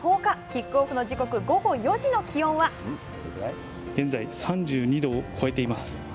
キックオフの時刻、午後４時の気現在３２度を超えています。